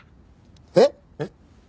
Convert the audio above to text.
えっ！？えっ？